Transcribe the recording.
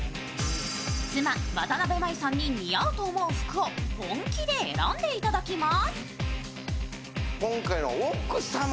妻、わたなべ麻衣さんに似合うと思う服を本気で選んでいただきます。